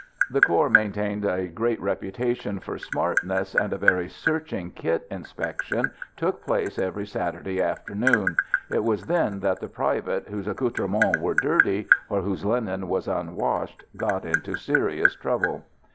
The corps maintained a great reputation for smartness, and a very searching kit inspection took place every Saturday afternoon. It was then that the private whose accoutrements were dirty, or whose linen was unwashed, got into serious trouble.